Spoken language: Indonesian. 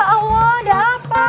ya allah ada apa